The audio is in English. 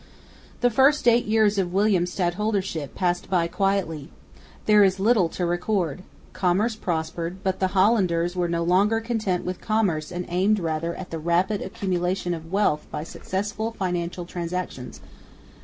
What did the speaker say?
The first eight years of William's stadholdership passed by quietly. There is little to record. Commerce prospered, but the Hollanders were no longer content with commerce and aimed rather at the rapid accumulation of wealth by successful financial transactions.